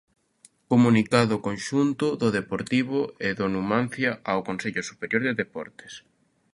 Comunicado conxunto do Deportivo e do Numancia ao consello superior de deportes.